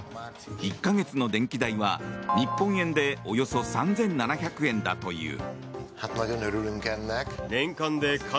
１か月の電気代は日本円でおよそ３７００円だという。